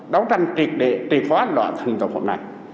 đấu tranh triệt địa triệt phó án loại thành tục hôm nay